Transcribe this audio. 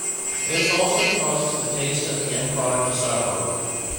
This also causes the taste of the end product to suffer.